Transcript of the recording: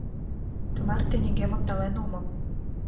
— Тымарте нигӧм ондален омыл...